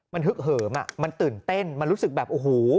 มันฮึกเหิมอ่ะมันตื่นเต้นมันรู้สึกแบบโอ้โห